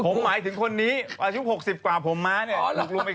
ผมหมายถึงคนนี้กระชุ่มออก๖๐เป็นกว่าผมมานี่